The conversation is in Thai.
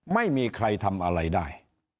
ไม่มีใครทำอะไรได้